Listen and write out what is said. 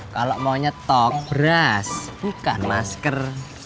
kalau mau nyetok beras bukan masker